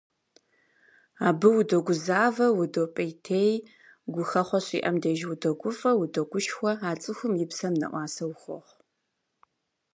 Абы удогузавэ, удопӏейтей, гухэхъуэ щиӏэм деж удогуфӏэ, удогушхуэ, а цӏыхум и псэм нэӏуасэ ухуохъу.